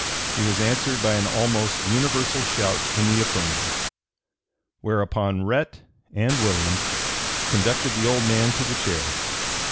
He was "answered by an almost universal shout in the affirmative." Whereupon Rhett and Williams conducted the old man to the chair.